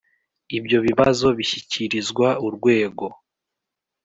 ibyo bibazo bishyikirizwa urwego